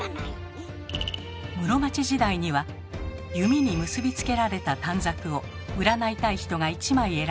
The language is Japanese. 室町時代には弓に結び付けられた短冊を占いたい人が１枚選び